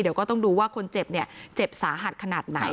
เดี๋ยวก็ต้องดูว่าคนเจ็บเนี่ยเจ็บสาหัสขนาดไหน